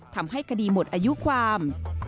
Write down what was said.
ทำให้คดีหมดอายุความ